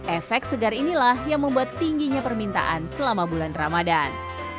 efek segar inilah yang membuat tingginya permintaan selama bulan ramadan